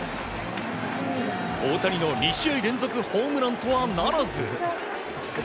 大谷の２試合連続ホームランとはならず。